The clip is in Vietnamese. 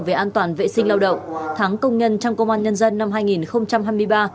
về an toàn vệ sinh lao động tháng công nhân trong công an nhân dân năm hai nghìn hai mươi ba